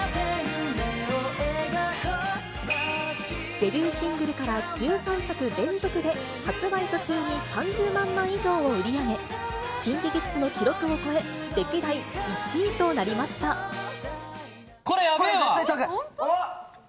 デビューシングルから１３作連続で、発売初週に３０万枚以上を売り上げ、ＫｉｎＫｉＫｉｄｓの記録を超え、歴代１位となりましこれ、絶対高い。